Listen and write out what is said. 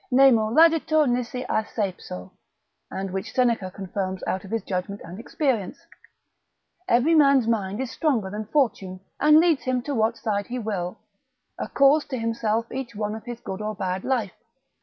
Nemo laeditur nisi a seipso, and which Seneca confirms out of his judgment and experience. Every man's mind is stronger than fortune, and leads him to what side he will; a cause to himself each one is of his good or bad life.